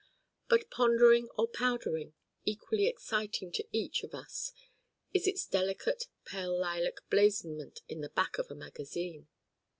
But pondering or powdering, equally exciting to each of us is its delicate pale lilac blazonment in the Back of a magazine.